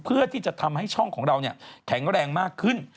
เพื่อที่จะทำให้ช่องของเราแข็งแรงมากขึ้น